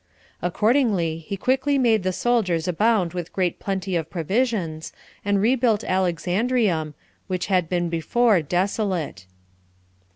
Accordingly, he quickly made the soldiers abound with great plenty of provisions, and rebuilt Alexandrium, which had been before desolate.